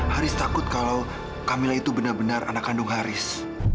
haris takut kalau camilla itu benar benar anak kandung haris